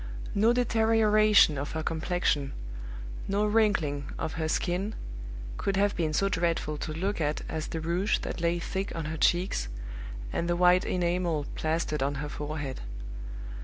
No deterioration of her complexion, no wrinkling of her skin, could have been so dreadful to look at as the rouge that lay thick on her cheeks, and the white enamel plastered on her forehead.